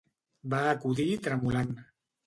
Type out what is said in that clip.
Va acudir tremolant.